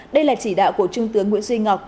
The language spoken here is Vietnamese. đây là chỉ đạo của trung tướng nguyễn duy ngọc